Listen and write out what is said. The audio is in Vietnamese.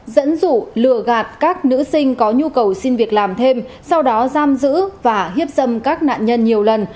dẫn dụ lừa gạt các nữ sinh có nhu cầu xin việc làm thêm sau đó giam giữ và hiếp dâm các nạn nhân nhiều lần